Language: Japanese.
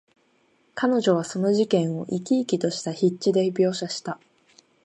彼女はその事件を、生き生きとした筆致で描写した。